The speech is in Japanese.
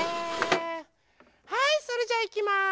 はいそれじゃいきます。